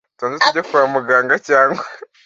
tubanze tujye kwamuganga cyangwa!